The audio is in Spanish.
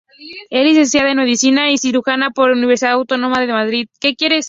Es licenciada en Medicina y Cirugía por la Universidad Autónoma de Madrid.